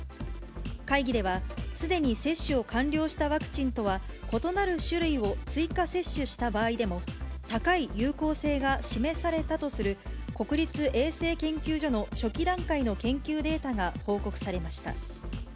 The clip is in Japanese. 会議ではすでに接種を完了したワクチンとは異なる種類を追加接種した場合でも、高い有効性が示されたとする国立衛生研究所の初期段階の研究データが報告されました。